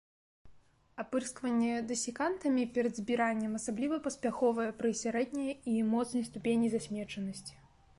Апырскванне дэсікантамі перад збіраннем асабліва паспяховае пры сярэдняй і моцнай ступені засмечанасці.